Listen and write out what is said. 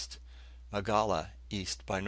Magala, E. by N.